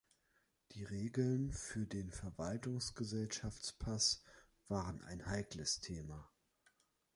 Die Regeln für den Verwaltungsgesellschaftspass waren ein heikles Thema.